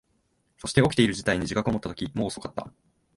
そして、起きている事態に自覚を持ったとき、もう遅かった。